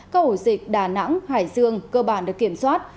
các ổ dịch đà nẵng hải dương cơ bản được kiểm soát